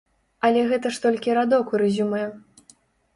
Але гэта ж толькі радок у рэзюмэ.